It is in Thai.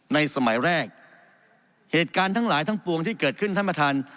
สมัยแรกเหตุการณ์ทั้งหลายทั้งปวงที่เกิดขึ้นท่านประธาน